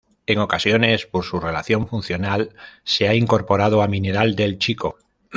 En ocasiones por su relación funcional se a incorporado a Mineral del Chico.